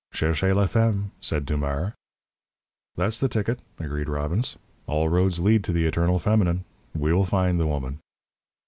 "Cherchez la femme," said Dumars. "That's the ticket!" agreed Robbins. "All roads lead to the eternal feminine. We will find the woman."